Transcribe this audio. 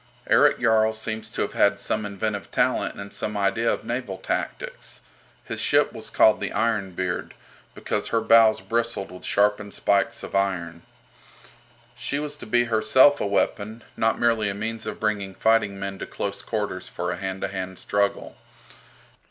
Erik Jarl seems to have had some inventive talent and some idea of naval tactics. His ship was called the "Iron Beard," because her bows bristled with sharpened spikes of iron. She was to be herself a weapon, not merely a means of bringing fighting men to close quarters for a hand to hand struggle.